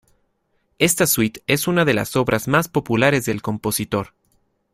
Esta suite es una de las obras más populares del compositor.